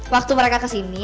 waktu mereka kesini